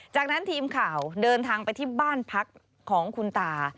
จากนั้นทีมข่าวเดินทางไปที่บ้านพักของคุณตา